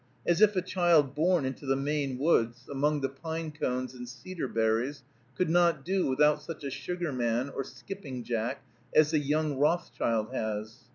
As if a child born into the Maine woods, among the pine cones and cedar berries, could not do without such a sugar man or skipping jack as the young Rothschild has.